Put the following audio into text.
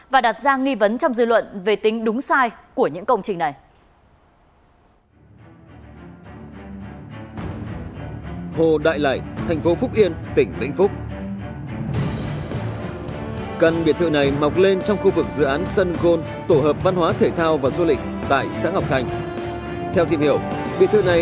và đặt ra nghi vấn trong dư luận về tính đúng sai của những công trình này